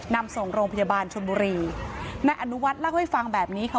นำส่งโรงพยาบาลชนบุรีนายอนุวัฒน์เล่าให้ฟังแบบนี้ค่ะ